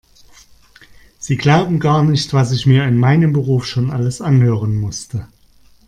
Sie glauben gar nicht, was ich mir in meinem Beruf schon alles anhören musste.